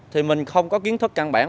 thì mình không có kiến thức căn bản